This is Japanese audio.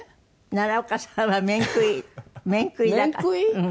「奈良岡さんは面食い」「面食いだから」「面食い？」